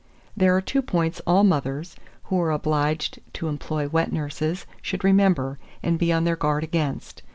There are two points all mothers, who are obliged to employ wet nurses, should remember, and be on their guard against.